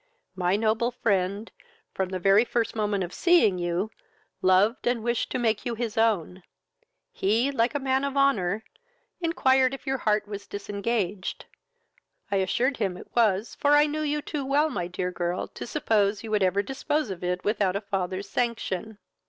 My noble friend, from the very first moment of seeing you, loved, and wished to make you his own: he, like a man of honour, inquired if your heart was disengaged; I assured him it was, for I knew you too well, my dear girl, to suppose you would ever dispose of it without a father's sanction.